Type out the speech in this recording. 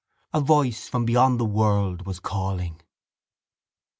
A voice from beyond the world was calling.